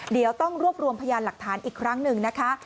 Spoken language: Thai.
เดี๋ยวต้องรวบรวมพยานหลักฐานอีกครั้งหนึ่งนะคะ